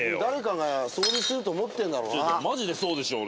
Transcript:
マジでそうでしょうね。